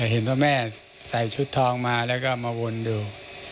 เห็นว่าแม่ใส่ชุดทองมาแล้วก็มาวนดู